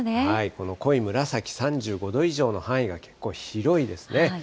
この濃い紫、３５度以上の範囲が結構広いですね。